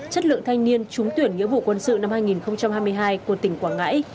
chất lượng thanh niên trúng tuyển nghĩa vụ quân sự năm hai nghìn hai mươi hai của tỉnh quảng ngãi